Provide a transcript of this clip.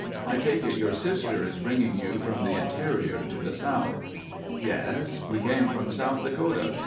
"I take it your sister is bringing you from the interior to the South?" "Yes. We came from South Dakota.